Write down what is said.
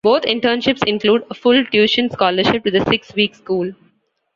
Both internships include a full tuition scholarship to the Six Week school.